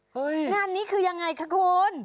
งานนี้คือยังไงคะคุณ